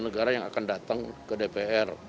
empat puluh negara yang akan datang ke dpr